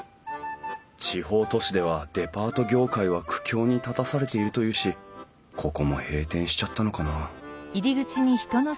地方都市ではデパート業界は苦境に立たされているというしここも閉店しちゃったのかな？